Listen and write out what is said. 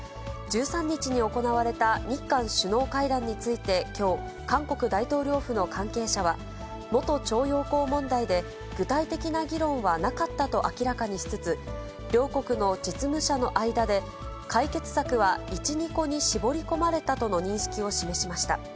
１３日に行われた日韓首脳会談についてきょう、韓国大統領府の関係者は、元徴用工問題で具体的な議論はなかったと明らかにしつつ、両国の実務者の間で、解決策は１、２個に絞り込まれたとの認識を示しました。